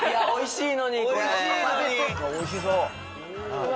おいしいのにこれ。